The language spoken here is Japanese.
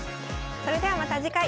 それではまた次回。